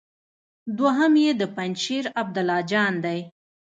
دوهم يې د پنجشېر عبدالله جان دی.